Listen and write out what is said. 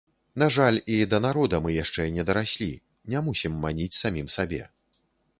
На жаль, і да народа мы яшчэ не дараслі, не мусім маніць самім сабе.